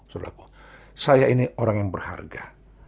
saudara saya ini orang yang berharga